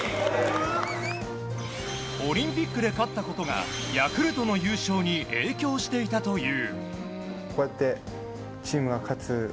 オリンピックで勝ったことがヤクルトの優勝に影響していたという。